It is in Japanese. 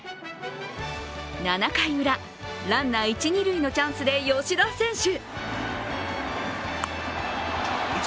７回ウラ、ランナー、一・二塁のチャンスで吉田選手。